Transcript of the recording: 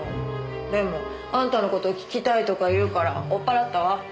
でもあんたの事を聞きたいとか言うから追っ払ったわ。